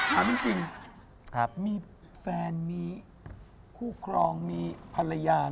ถามจริงมีแฟนมีคู่ครองมีภรรยา